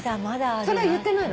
それ言ってないの？